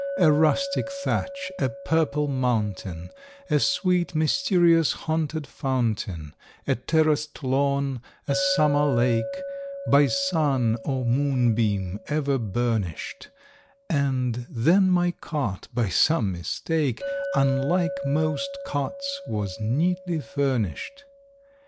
A rustic thatch, a purple mountain, A sweet, mysterious, haunted fountain, A terraced lawn, a summer lake, By sun or moonbeam ever burnish'd; And then my cot, by some mistake, Unlike most cots was neatly furnish'd.